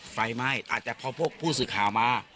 ไฟไหม้อาจจะพอพวกผู้สื่อข่าวมา